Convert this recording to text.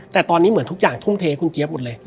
แต่ตอนนี้เหมือนทุกอย่างทุ่มเทคุณเจี๊ยบหมดเลย